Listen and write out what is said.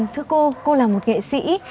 thưa cô cô là một nghệ sĩ